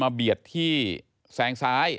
เบียดที่แซงซ้าย